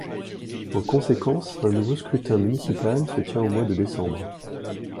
En conséquence, un nouveau scrutin municipal se tient au mois de décembre.